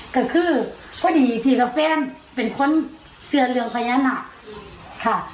ก็คือพอดีพี่กับแฟนเป็นคนเจือเรื่องพญนาค